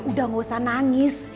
udah gak usah nangis